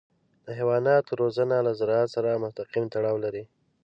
د حیواناتو روزنه له زراعت سره مستقیم تړاو لري.